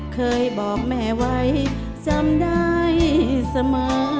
ขอบคุณครับ